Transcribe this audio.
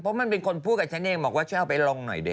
เพราะมันเป็นคนพูดกับฉันเองบอกว่าช่วยเอาไปลงหน่อยดิ